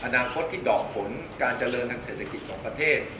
อนาคตที่ดอกผลการเจริญทางเศรษฐกิจของประเทศ